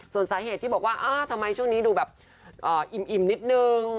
ส่วนสาเหตุที่บอกว่าทำไมช่วงนี้ดูแบบอิ่มนิดนึง